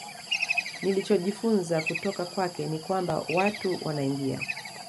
Nilichojifunza kutoka kwake ni kwamba watu wanaingia